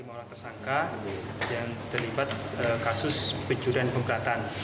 lima orang tersangka yang terlibat kasus pencuran pemberatan